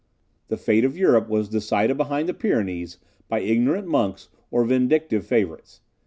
The fate of Europe was decided behind the Pyrenees by ignorant monks or vindictive favourites.